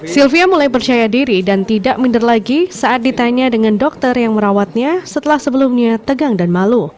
sylvia mulai percaya diri dan tidak minder lagi saat ditanya dengan dokter yang merawatnya setelah sebelumnya tegang dan malu